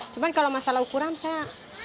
cuma kalau masalah ukuran saya